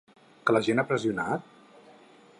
Que la gent ha pressionat?